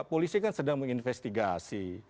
polisi kan sedang menginvestigasi